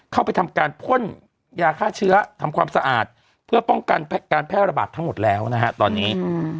เข้าไปทำการพ่นยาฆ่าเชื้อทำความสะอาดเพื่อป้องกันการแพร่ระบาดทั้งหมดแล้วนะฮะตอนนี้